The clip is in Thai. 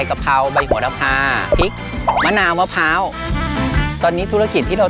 เขาทำธุรกิจอะไรครับ